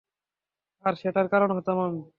আর সেটার কারন হতাম আমি।